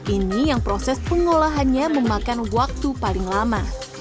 ini yang proses pengolahannya memakan waktu paling lama